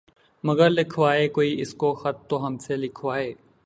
مگر لکھوائے کوئی اس کو خط تو ہم سے لکھوائے